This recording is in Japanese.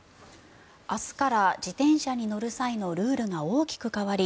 明日から自転車に乗る際のルールが大きく変わり